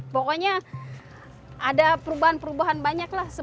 pokoknya ada perubahan perubahan banyak lah